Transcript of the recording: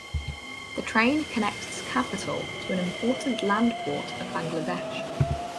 The train connects capital to an important Land port of Bangladesh.